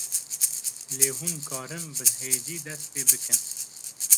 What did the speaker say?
lê hûn karin bi hêdî dest pê bikin